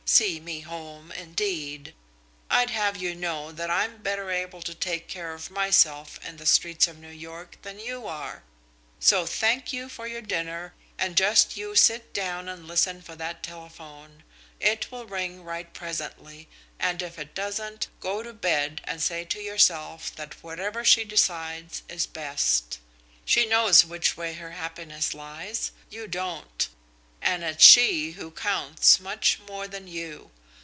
See me home, indeed! I'd have you know that I'm better able to take care of myself in the streets of New York than you are. So thank you for your dinner, and just you sit down and listen for that telephone. It will ring right presently, and if it doesn't, go to bed and say to yourself that whatever she decides is best. She knows which way her happiness lies. You don't. And it's she who counts much more than you.